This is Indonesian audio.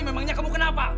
memangnya kamu kenapa